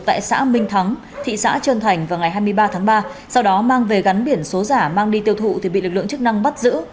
tại xã minh thắng thị xã trơn thành vào ngày hai mươi ba tháng ba sau đó mang về gắn biển số giả mang đi tiêu thụ thì bị lực lượng chức năng bắt giữ